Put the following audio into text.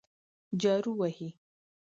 جارو وهي.